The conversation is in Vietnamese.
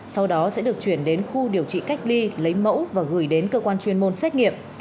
sau đó sẽ được chuyển đến khu điều trị cách ly lấy mẫu và gửi đến cơ quan chuyên môn xét nghiệm